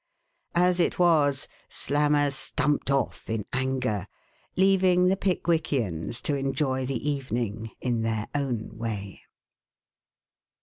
As it was, Slammer stumped off in anger, leaving the Pickwickians to enjoy the evening in their own way.